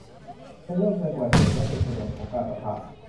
เป็นเรื่องเกินกว่าเหตุ และเป็นชนวนของการปะทะ